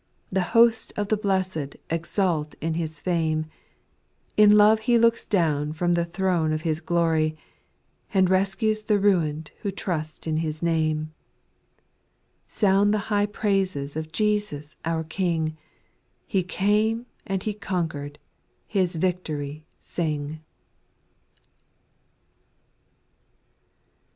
The host of the blessed exult in His fame ; In love He looks down from the throne of His glory. And rescues the ruin'd who trust in His name. Sound the high praises of Jesus our King, He came and He conquered — His victory sing.